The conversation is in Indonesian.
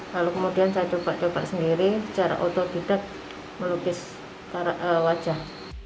lalu kemudian saya coba coba sendiri secara otodidak melukis wajah